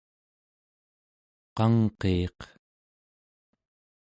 qangqiiq